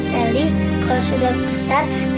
sally kalau sudah besar